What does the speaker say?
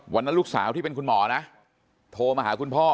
วันนั้นลูกสาวที่เป็นคุณหมอนะโทรมาหาคุณพ่อ